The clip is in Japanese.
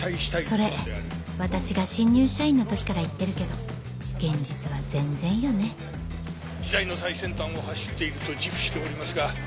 それ私が新入社員の時から言ってるけど現実は全然よね時代の最先端を走っていると自負しておりますが。